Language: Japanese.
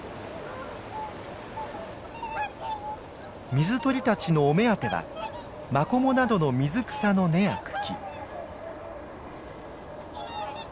水鳥たちのお目当てはマコモなどの水草の根や茎。